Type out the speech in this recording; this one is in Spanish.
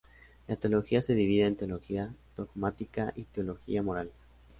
La teología se divide en "teología dogmática" y "teología moral".